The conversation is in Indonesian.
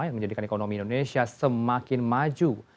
yang menjadikan ekonomi indonesia semakin maju